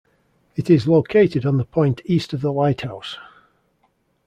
It is located on the point east of the lighthouse.